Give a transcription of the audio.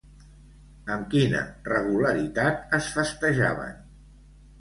Amb quina regularitat es festejaven?